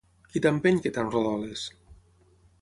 Qui t'empeny que tant rodoles?